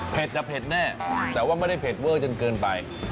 เผ็ดแน่แต่ว่าไม่ได้เผ็ดเวอร์จนเกินไป